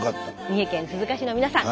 三重県鈴鹿市の皆さん